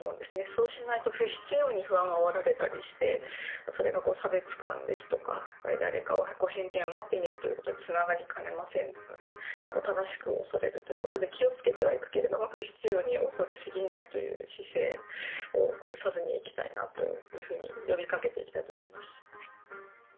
そうしないと不必要に不安をあおられたりしてそれが差別感とか誰かを偏見を持って見ることにつながりかねませんので正しく恐れるということで気をつけてはいくけど不必要に恐れすぎないという姿勢を崩さずにいきたいなと呼びかけていきたいと思います。